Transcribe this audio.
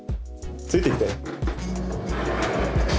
ついてきて。